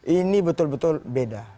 ini betul betul beda